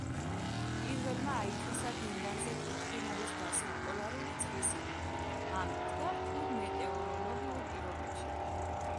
პირველმა აითვისა გემბანზე თვითმფრინავის დასმა პოლარული წრის იქით, ღამით და რთულ მეტეოროლოგიურ პირობებში.